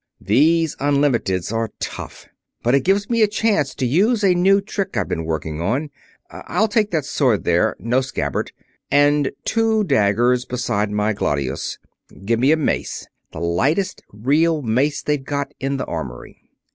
These unlimiteds are tough, but it gives me a chance to use a new trick I've been working on. I'll take that sword there no scabbard and two daggers, besides my gladius. Get me a mace; the lightest real mace they've got in their armory."